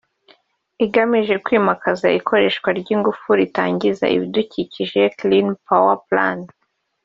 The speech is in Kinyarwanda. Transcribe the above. igamije kwimakaza ikoreshwa ry’ingufu zitangiza ibidukikije (Clean Power Plan)